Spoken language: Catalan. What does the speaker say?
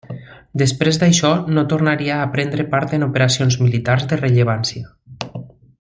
Després d'això, no tornaria a prendre part en operacions militars de rellevància.